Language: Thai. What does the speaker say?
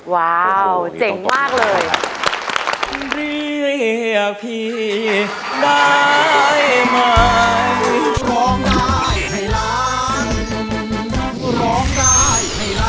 ว้าวเจ๋งมากเลย